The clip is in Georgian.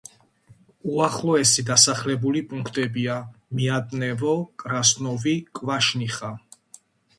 უახლოესი დასახლებული პუნქტებია: მიატნევო, კრასნოვო, კვაშნიხა.